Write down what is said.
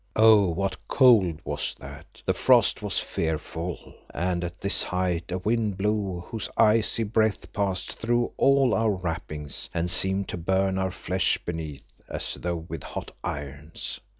Oh! what cold was that. The frost was fearful, and at this height a wind blew whose icy breath passed through all our wrappings, and seemed to burn our flesh beneath as though with hot irons.